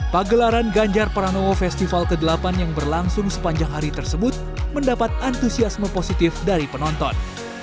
pagelaran ganjar pranowo festival ke delapan yang berlangsung sepanjang hari tersebut mendapat antusiasme positif dari penonton